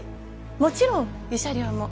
もちろん慰謝料も。